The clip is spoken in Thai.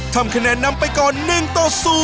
ทำคะแนนนำไปก่อน๑ต่อ๐